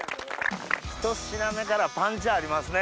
一品目からパンチありますね